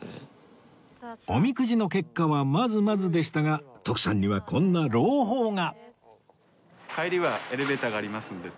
おみくじの結果はまずまずでしたが徳さんにはこんな朗報が！